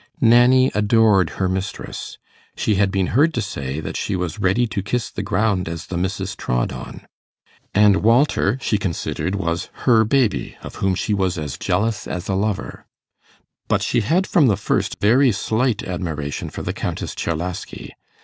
Nanny adored her mistress: she had been heard to say, that she was 'ready to kiss the ground as the missis trod on'; and Walter, she considered, was her baby, of whom she was as jealous as a lover. But she had, from the first, very slight admiration for the Countess Czerlaski.